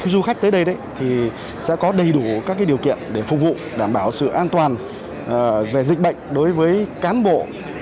đến đây thì sẽ có đầy đủ các điều kiện để phục vụ đảm bảo sự an toàn về dịch bệnh đối với cán bộ